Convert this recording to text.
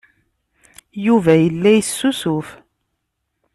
Yuba yella yessusuf.